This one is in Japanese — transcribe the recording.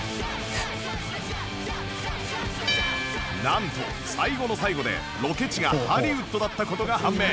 なんと最後の最後でロケ地がハリウッドだった事が判明